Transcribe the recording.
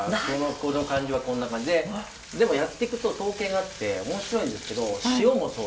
この感じはこんな感じででもやっていくと統計があって面白いんですけど塩もそう。